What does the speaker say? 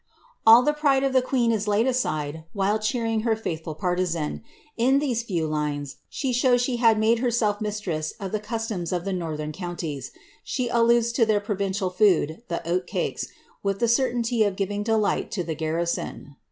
All the pride of the queen is laid aside while cheering her fiuthM partisan. In these few lines she shows she had made herself mistreii of the customs of the northern counties ; she alludes to their pronaai > Life of Clarendon, voV \. ip^. \^^ 186. HENRIETTA KASIA. 85 food, the oat cakes, with the certainty of giving delight to the gar rison.